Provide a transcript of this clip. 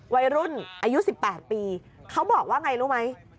อายุ๑๘ปีเขาบอกว่าไงรู้ไหม